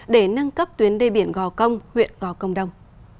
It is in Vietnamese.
để nâng cấp tuyến đê biển gò công huyện gò công đông